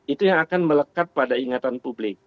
itu yang akan melekat pada ingatan publik